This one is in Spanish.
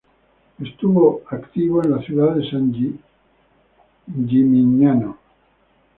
Estuvo activo en la ciudad de San Gimignano.